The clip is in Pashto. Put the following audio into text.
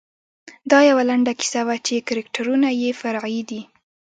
دا یوه لنډه کیسه وه چې کرکټرونه یې فرعي دي.